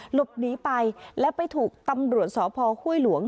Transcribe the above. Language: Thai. หลบหนีไปและไปถูกตำรวจสพห้วยหลวง